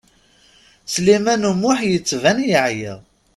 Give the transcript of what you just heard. Sliman U Muḥ yettban yeɛya.